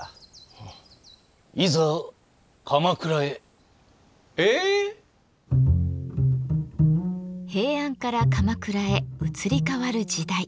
平安から鎌倉へ移り変わる時代。